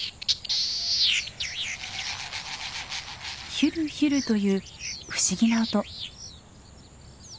ヒュルヒュルという不思議な音。